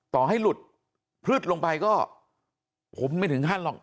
ต่อให้หลุดพลึดลงไปก็ผมไม่ถึงขั้นหรอก